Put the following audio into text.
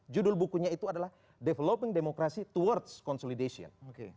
judul bukunya itu adalah developing democracy towards consolidation